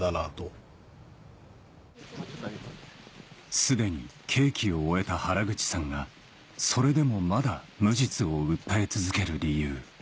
すでに刑期を終えた原口さんがそれでもまだ無実を訴え続ける理由